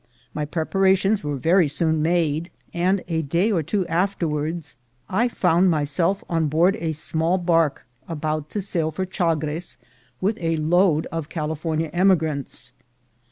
My preparations were very soon made, and a day or two afterwards I found myself on board a small ON TO CALIFORNIA 17 barque about to sail for Chagres with a load of Cali fornia emigrants.